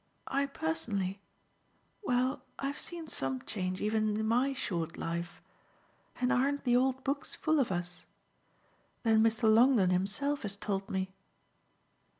"I personally? Well, I've seen some change even in MY short life. And aren't the old books full of us? Then Mr. Longdon himself has told me."